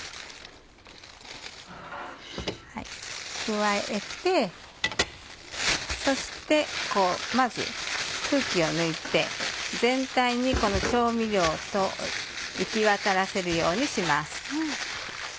加えてそしてこうまず空気を抜いて全体にこの調味料を行きわたらせるようにします。